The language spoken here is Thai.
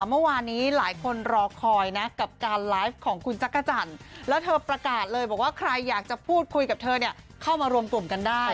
เมื่อวานนี้หลายคนรอคอยนะกับการไลฟ์ของคุณจักรจันทร์แล้วเธอประกาศเลยบอกว่าใครอยากจะพูดคุยกับเธอเนี่ยเข้ามารวมกลุ่มกันได้